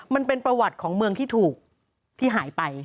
มันเป็นประวัติของเมืองที่ถูกที่หายไป